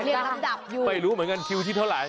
ลำดับอยู่ไม่รู้เหมือนกันคิวที่เท่าไห